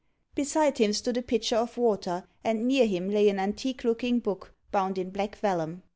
Beside him stood a pitcher of water, and near him lay an antique looking book, bound in black vellum.